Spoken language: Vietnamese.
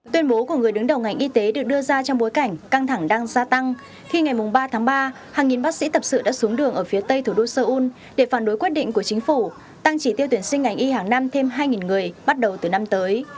tuyên bố của người đứng đầu ngành y tế được đưa ra trong bối cảnh căng thẳng đang gia tăng khi ngày ba tháng ba hàng nghìn bác sĩ tập sự đã xuống đường ở phía tây thủ đô seoul để phản đối quyết định của chính phủ tăng chỉ tiêu tuyển sinh ngành y hàng năm thêm hai người bắt đầu từ năm tới